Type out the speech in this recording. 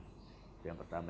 itu yang pertama